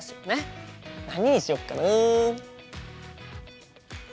何にしよっかな？